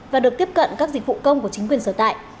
và được tiếp cận các dịch vụ công của chính quyền sở tại